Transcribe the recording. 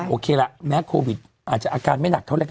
โอเคละแม้โควิดอาจจะอาการไม่หนักเท่าแล้วกัน